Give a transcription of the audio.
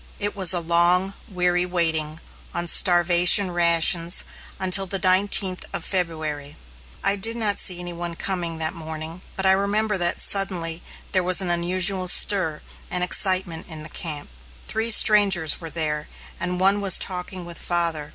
It was a long, weary waiting, on starvation rations until the nineteenth of February. I did not see any one coming that morning; but I remember that, suddenly, there was an unusual stir and excitement in the camp. Three strangers were there, and one was talking with father.